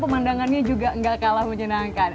pemandangannya juga nggak kalah menyenangkan